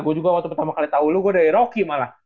gue juga waktu pertama kali tahu lo gue dari rocky malah